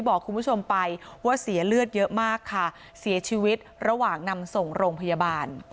บอกคุณผู้ชมไปว่าเสียเลือดเยอะมากค่ะเสียชีวิตระหว่างนำส่งโรงพยาบาล